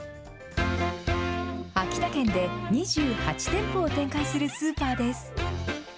秋田県で２８店舗を展開するスーパーです。